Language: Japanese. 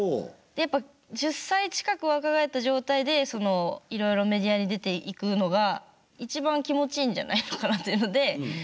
やっぱ１０歳近く若返った状態でそのいろいろメディアに出ていくのが一番気持ちいいんじゃないかなっていうので。